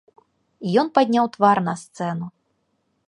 Ён падняў твар на сцэну.